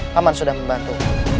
paman sudah membantu